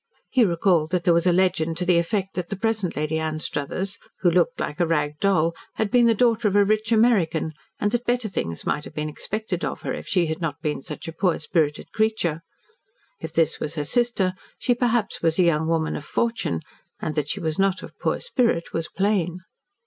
He recalled that there was a legend to the effect that the present Lady Anstruthers, who looked like a rag doll, had been the daughter of a rich American, and that better things might have been expected of her if she had not been such a poor spirited creature. If this was her sister, she perhaps was a young woman of fortune, and that she was not of poor spirit was plain.